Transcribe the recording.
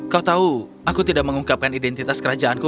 kau tahu aku tidak mengungkapkan identitas kerajaanku